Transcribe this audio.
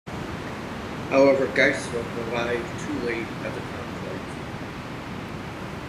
However Gaisruck arrived too late at the conclave.